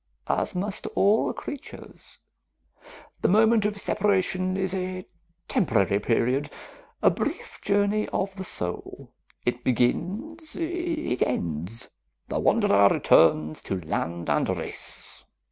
"As must all creatures. The moment of separation is a temporary period, a brief journey of the soul. It begins, it ends. The wanderer returns to land and race...."